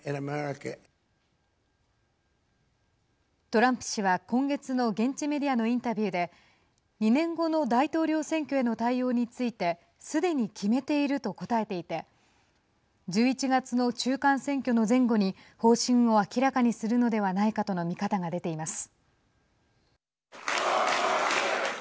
トランプ氏は、今月の現地メディアのインタビューで２年後の大統領選挙への対応についてすでに決めていると答えていて１１月の中間選挙の前後に方針を明らかにするのではないかとの見方が出ています。